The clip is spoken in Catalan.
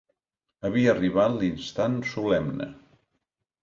Havia arribat l'instant solemne.